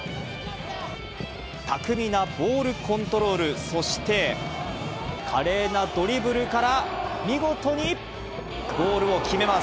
巧みなボールコントロール、そして、華麗なドリブルから、見事にゴールを決めます。